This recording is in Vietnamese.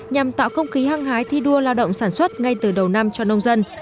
nhằm tạo không khí hăng hái thi đua lao động sản xuất ngay từ đầu năm cho nông dân